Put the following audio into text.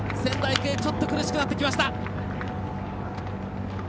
育英ちょっと苦しくなってきました。